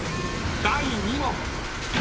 第２問］